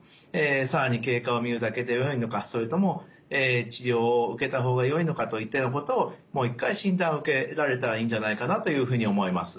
更に経過を見るだけでよいのかそれとも治療を受けた方がよいのかといったようなことをもう一回診断を受けられたらいいんじゃないかなというふうに思います。